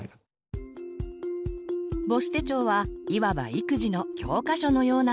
母子手帳はいわば育児の教科書のようなもの。